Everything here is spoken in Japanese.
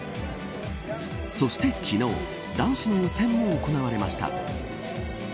そして、昨日男子の予選も行われました。